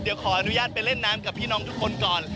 เดี๋ยวขออนุญาตไปเล่นน้ำกับพี่น้องทุกคนก่อน